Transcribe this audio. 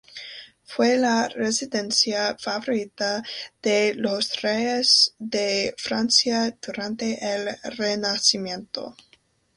Fue la residencia favorita de los reyes de Francia durante el Renacimiento.